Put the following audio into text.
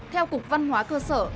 theo cục văn hóa cơ sở